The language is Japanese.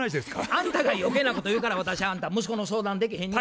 あんたが余計なこと言うから私あんた息子の相談できへんねや。